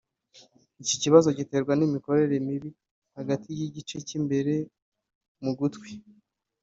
Iki kibazo giterwa n’imikorere mibi hagati y’igice cy’imbere mu gutwi